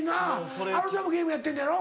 あのちゃんもゲームやってんのやろ？